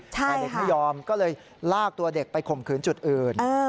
แต่เด็กไม่ยอมก็เลยลากตัวเด็กไปข่มขืนจุดอื่น